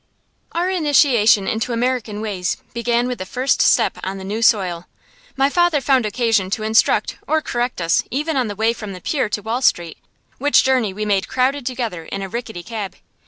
Our initiation into American ways began with the first step on the new soil. My father found occasion to instruct or correct us even on the way from the pier to Wall Street, which journey we made crowded together in a rickety cab.